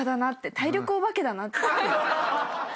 体力お化けだな。